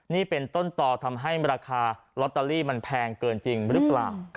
นี่เป็นต้นต่อทำให้ราคาลอตเตอรี่มันแพงเกินจริงหรือเปล่า